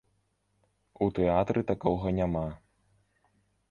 У тэатры такога няма.